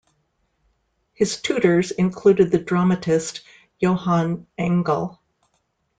His tutors included the dramatist Johann Engel.